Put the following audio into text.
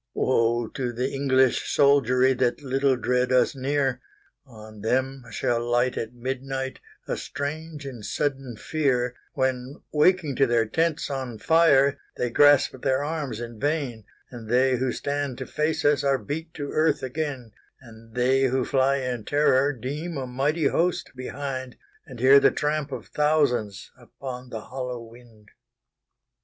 Woe to the English soldieryThat little dread us near! On them shall light at midnightA strange and sudden fear:When, waking to their tents on fire, They grasp their arms in vain, And they who stand to face usAre beat to earth again; And they who fly in terror deemA mighty host behind, And hear the tramp of thousandsUpon the hollow wind.